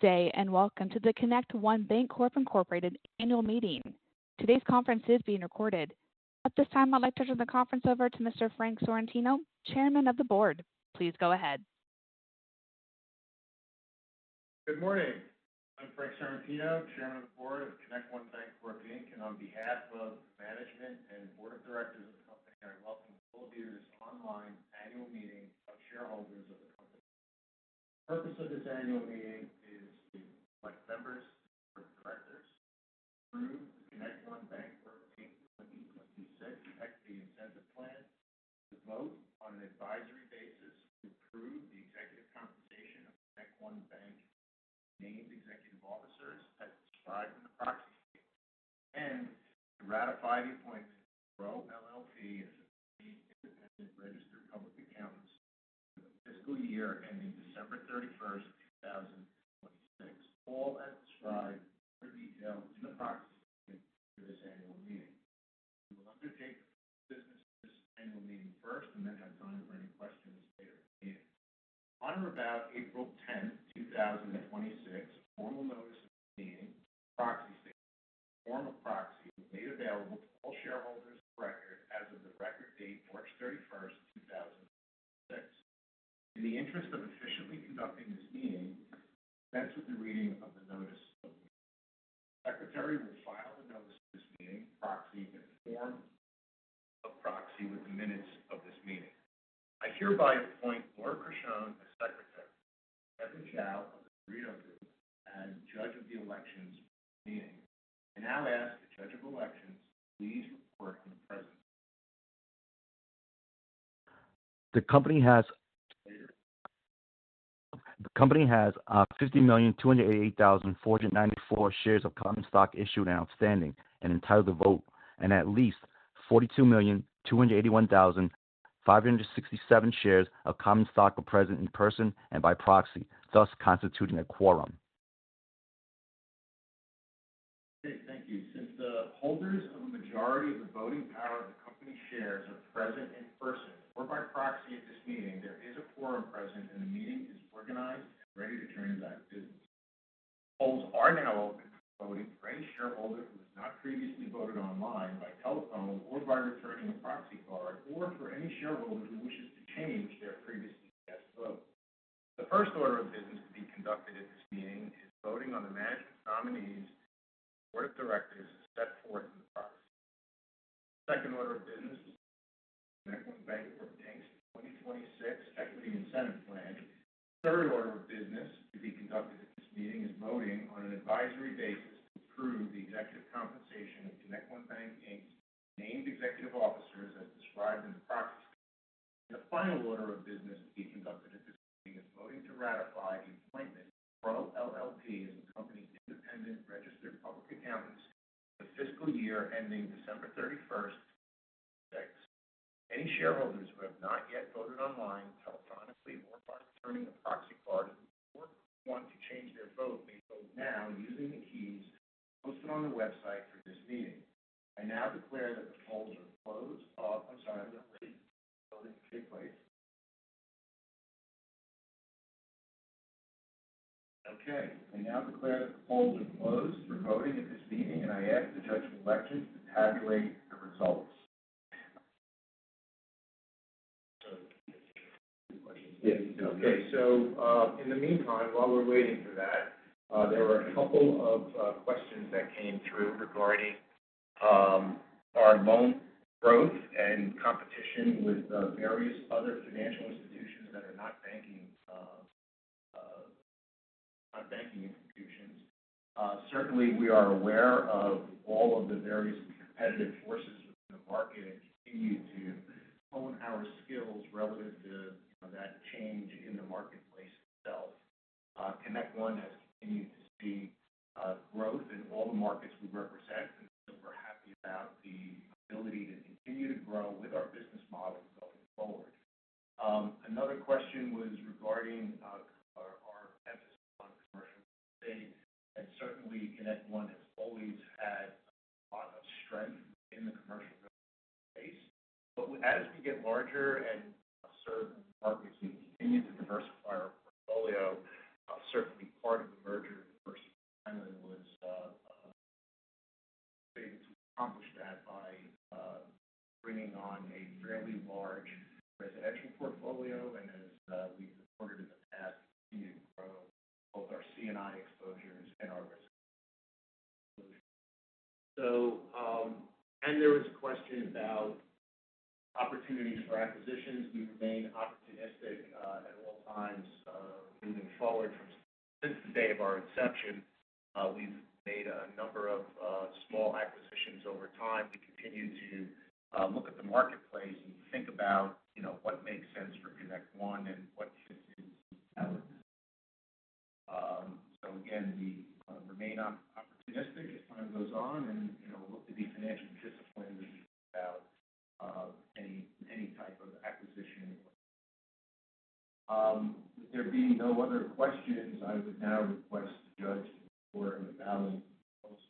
Day, welcome to the ConnectOne Bancorp, Inc. Annual Meeting. Today's conference is being recorded. At this time, I'd like to turn the conference over to Mr. Frank Sorrentino, Chairman of the Board. Please go ahead. Good morning. I'm Frank Sorrentino, Chairman of the Board of ConnectOne Bancorp Inc. On behalf of management and Board of Directors of the company, I welcome all of you to this online annual meeting of shareholders of the company. The purpose of this annual meeting is to elect members of the Board of Directors, approve ConnectOne Bancorp Inc. 2026 Equity Incentive Plan, to vote on an advisory basis to approve the executive compensation of ConnectOne Bank, named executive officers as described in the proxy statement, and to ratify the appointment of Crowe LLP as the company's independent registered public accountants for the fiscal year ending December 31, 2026. All as described in further detail in the proxy statement for this annual meeting. We will undertake the business of this annual meeting first, and then have time for any questions later in the meeting. On or about April 10th, 2026, formal notice of this meeting, proxy statement, and form of proxy was made available to all shareholders of record as of the record date, March 31, 2026. In the interest of efficiently conducting this meeting, I dispense with the reading of the notice of the meeting. The Secretary will file the notice of this meeting, proxy statement, and form of proxy with the minutes of this meeting. I hereby appoint Laura Criscione as Secretary, and Frederick Chao of Broadridge Financial Solutions as Judge of the Elections for this meeting. I now ask the Judge of Elections to please report on the presence of shareholders. The company has 50,288,494 shares of common stock issued and outstanding and entitled to vote, and at least 42,281,567 shares of common stock are present in person and by proxy, thus constituting a quorum. Okay, thank you. Since the holders of a majority of the voting power of the company's shares are present in person or by proxy at this meeting, there is a quorum present, and the meeting is organized and ready to transact business. The polls are now open for voting for any shareholder who has not previously voted online, by telephone, or by returning a proxy card, or for any shareholder who wishes to change their previously cast vote. The first order of business to be conducted at this meeting is voting on the management nominees for the board of directors as set forth in the proxy statement. The second order of business is to vote on ConnectOne Bancorp Inc.'s 2026 Equity Incentive Plan. The third order of business to be conducted at this meeting is voting on an advisory basis to approve the executive compensation of ConnectOne Bancorp Inc.'s named executive officers as described in the proxy statement. The final order of business to be conducted at this meeting is voting to ratify the appointment of Crowe LLP as the company's independent registered public accountants for the fiscal year ending December 31st, 2026. Any shareholders who have not yet voted online, telephonically, or by returning a proxy card, or want to change their vote, may vote now using the keys posted on the website for this meeting. I now declare that the polls are closed. Oh, I'm sorry, they're open. The voting will take place. Okay, I now declare that the polls are closed for voting at this meeting, and I ask the Judge of Elections to tabulate the results. In the meantime, while we're waiting for that, there were a couple of questions that came through regarding our loan growth and competition with the various other financial institutions that are not banking institutions. Certainly, we are aware of all of the various competitive forces within the market and continue to hone our skills relative to that change in the marketplace itself. ConnectOne has continued to see growth in all the markets we represent, and so we're happy about the ability to continue to grow with our business model going forward. Another question was regarding our emphasis on commercial real estate, and certainly ConnectOne has always had a lot of strength in the commercial real estate space. As we get larger and serve new markets, we continue to diversify our portfolio. Certainly, part of the merger the first time was being able to accomplish that by bringing on a fairly large residential portfolio, and as we've reported in the past, continuing to grow both our C&I exposures and our risk solutions. There was a question about opportunities for acquisitions. We remain opportunistic at all times, moving forward from since the day of our inception. We've made a number of small acquisitions over time. We continue to look at the marketplace and think about what makes sense for ConnectOne and what fits into our strategy. Again, we remain opportunistic as time goes on and look to be financially disciplined as we think about any type of acquisition. With there being no other questions, I would now request the Judge to report on the ballot results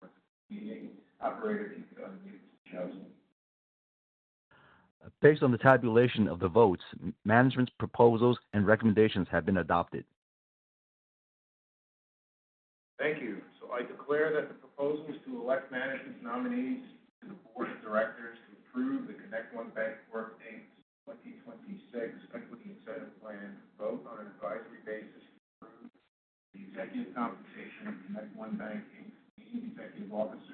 for this meeting. Operator, could you go ahead please and show those results. Based on the tabulation of the votes, management's proposals and recommendations have been adopted. Thank you. I declare that the proposals to elect management's nominees to the board of directors, to approve the ConnectOne Bancorp, Inc.'s 2026 Equity Incentive Plan, to vote on an advisory basis to approve the executive compensation of ConnectOne Bancorp, Inc.'s named executive officers as described in the proxy.